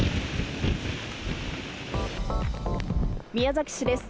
宮崎市です。